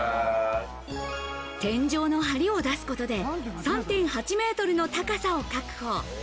天井の梁を出すことで、３．８ｍの高さを確保。